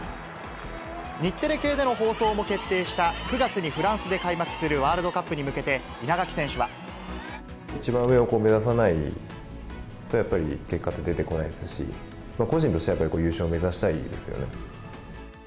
日テレ系での放送も決定した、９月にフランスで開幕するワールドカップに向けて、稲垣選手は。一番上を目指さないと、やっぱり結果って出てこないですし、個人としてはやっぱり優勝を目指したいですよね。